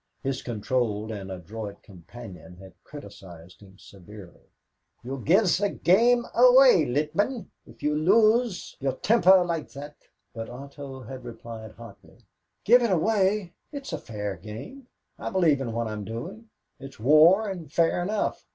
His controlled and adroit companion had criticized him severely, "You'll give the game away, Littman, if you lose your temper like that." But Otto had replied hotly, "Give it away! It's a fair game. I believe in what I'm doing. It's war and fair enough.